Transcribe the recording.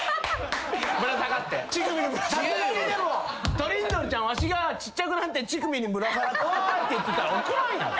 トリンドルちゃんわしがちっちゃくなって乳首にぶら下がってわーって言ってたら怒らんやん。